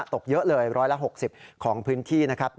ตกเยอะเลย๑๖๐ของพื้นที่นะครับ